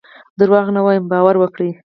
دروغ نه وایم باور وکړئ.